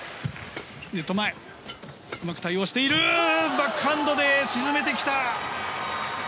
バックハンドで沈めてきた！